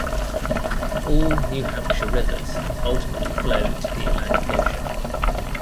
All New Hampshire rivers ultimately flow to the Atlantic Ocean.